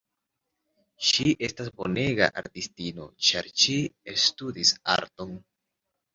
Ŝi estas bonega artistino ĉar ŝi studis arton.